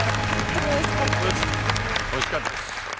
・おいしかったです・